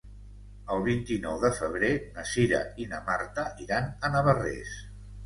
El vint-i-nou de febrer na Cira i na Marta iran a Navarrés.